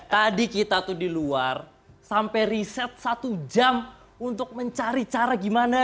tadi kita tuh di luar sampai riset satu jam untuk mencari cara gimana